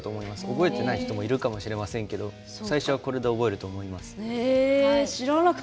覚えてない人もいるかもしれませんけど最初は、これで覚えると思います。